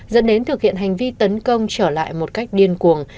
dẫn đến thực hiện hành vi tấn công trở lại một cách điên cuồng